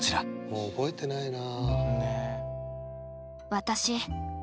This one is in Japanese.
もう覚えてないな。